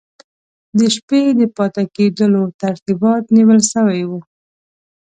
د شپې د پاته کېدلو ترتیبات نیول سوي وو.